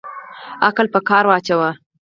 عقل په کار واچوه